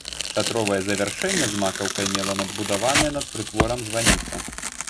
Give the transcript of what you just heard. Шатровае завяршэнне з макаўкай мела надбудаваная над прытворам званіца.